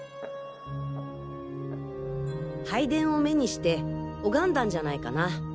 拝殿を目にして拝んだんじゃないかな。